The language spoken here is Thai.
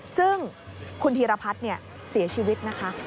ซึ่งคุณธีรพัฒน์เสียชีวิตนะคะ